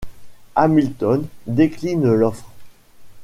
Hamilton décline l'offre.